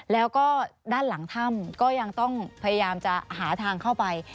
แล้วก็ด้านหลังถ้ำก็ยังต้องพยายามจะหาทางเข้าไป